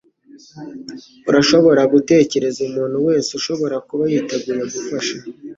Urashobora gutekereza umuntu wese ushobora kuba yiteguye gufasha?